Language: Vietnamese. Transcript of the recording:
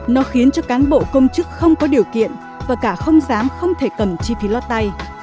nó khiến cho cán bộ công chức không có điều kiện và cả không dám không thể cầm chi phí lót tay